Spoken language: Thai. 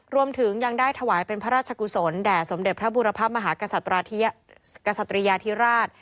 รวมถึงยังได้ถวายเป็นพระราชกุศลแด่สมเด็จพระบุรพมหากษัตริยาธิราช